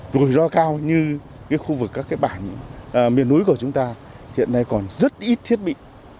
rồi do cao như khu vực các bản miền núi của chúng ta hiện nay còn rất ít thiết bị